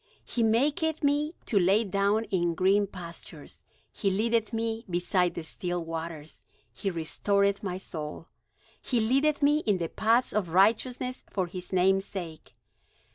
He maketh me to lie down in green pastures; He leadeth me beside the still waters, He restoreth my soul; He leadeth me in the paths of righteousness for his name's sake.